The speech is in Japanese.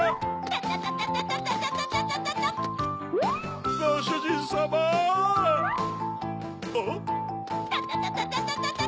タタタタタタタ！